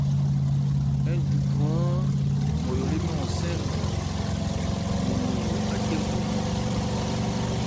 Ńjuju-án Nmɔyo lê mɛ́n hɔnsɛ́n ɔ́nmɔn, wo lo ácɛn-kúgɔn.